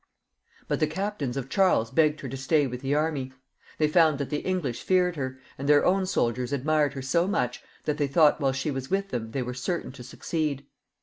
But the captains of Charles begged her to stay with the army. They found that the English feared her, and their own soldiers admired her so much that they thought while she was with them, they were certain to succeed.